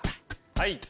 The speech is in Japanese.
はい。